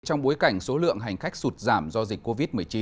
trong bối cảnh số lượng hành khách sụt giảm do dịch covid một mươi chín